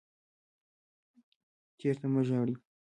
تیر ته مه ژاړئ